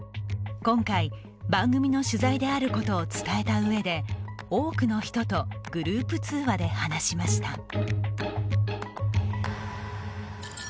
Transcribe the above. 今回、番組の取材であることを伝えた上で、多くの人とグループ通話で話しました。